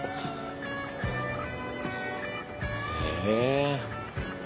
へえ。